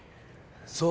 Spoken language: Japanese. そう。